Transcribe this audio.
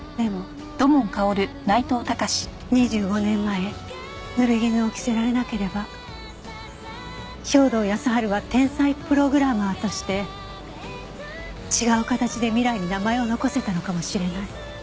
でも２５年前濡れ衣を着せられなければ兵働耕春は天才プログラマーとして違う形で未来に名前を残せたのかもしれない。